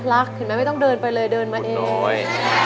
รักเห็นมั้ยไม่ต้องเดินไปเลย